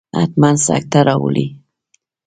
حتما سکته راولي.